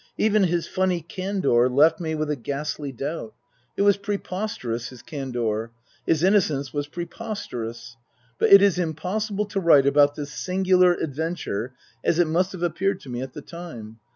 Even his funny candour left me with a ghastly doubt. It was pre posterous, his candour. His innocence was preposterous. But it is impossible to write about this singular adventure as it must have appeared to me at the time.